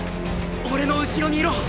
俺の後ろにいろ！